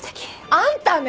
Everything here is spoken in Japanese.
あんたね！